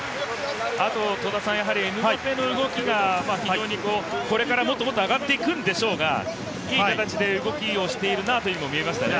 エムバペの動きが非常に、これからもっともっと上がっていくんでしょうが、いい形で動きをしているなと見えましたね。